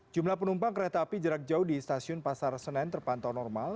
jumlah penumpang kereta api jarak jauh di stasiun pasar senen terpantau normal